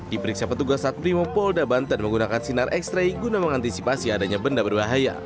diperiksa petugas saat brimopolda banten menggunakan sinar x ray guna mengantisipasi adanya benda berbahaya